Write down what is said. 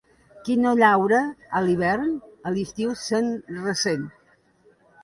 Qui no llaura a l'hivern, a l'estiu se'n ressent.